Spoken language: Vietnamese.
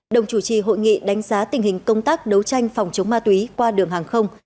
đồng chủ trì hội nghị đánh giá tình hình công tác đấu tranh phòng chống ma túy qua đường hàng không